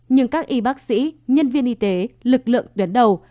nhưng các y bác sĩ nhân viên y tế lực lượng tuyến đầu